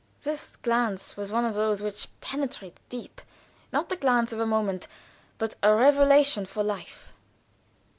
This glance was one of those which penetrate deep, not the glance of a moment, but a revelation for life.